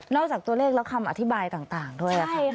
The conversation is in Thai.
จากตัวเลขแล้วคำอธิบายต่างด้วยค่ะ